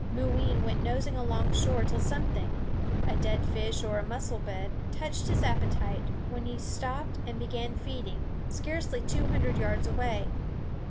Mooween went nosing along shore till something a dead fish or a mussel bed touched his appetite, when he stopped and began feeding, scarcely two hundred yards away.